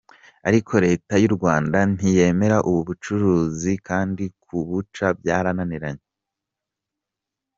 Ariko reta y’u Rwanda ntiyemera ubu bucuruzi kandi ku buca byarananiranye.